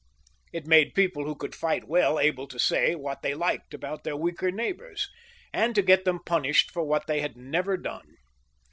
It made people who could fight well able to say what they liked about their weaker neighbours, and to get them punished for what they had never done.